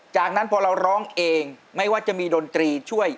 จากนั้นพอเราร้องเองไม่ว่าจะมีดนตรีช่วย